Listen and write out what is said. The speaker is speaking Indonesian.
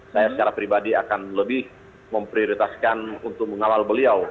saya secara pribadi akan lebih memprioritaskan untuk mengawal beliau